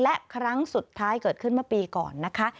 และครั้งสุดท้ายเกิดขึ้นเมื่อปีก่อนนะคะ